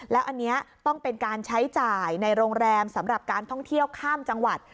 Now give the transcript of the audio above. แล้วอันนี้ต้องเป็นการใช้จ่ายในโรงแรมสำหรับการท่องเที่ยวข้ามจังหวัด